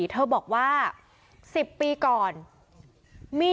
วิทยาลัยศาสตรี